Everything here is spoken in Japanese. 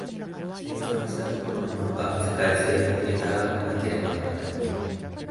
生産した所のものが世界性を有たなければならない。